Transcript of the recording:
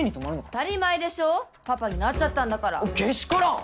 当たり前でしょパパになっちゃったんだからけしからん！